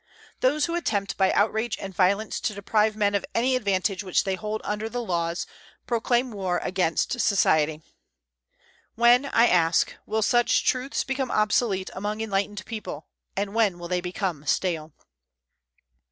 Those who attempt by outrage and violence to deprive men of any advantage which they hold under the laws, proclaim war against society. When, I ask, will such truths become obsolete among enlightened people; and when will they become stale?"